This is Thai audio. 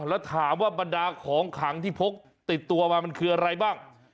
แล้วถามว่าบรรดาของขังที่พกติดตัวมามันคืออะไรบ้าง